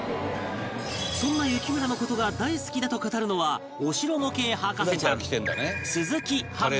そんな幸村の事が大好きだと語るのはお城模型博士ちゃん鈴木絆奈ちゃん